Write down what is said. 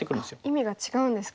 意味が違うんですか。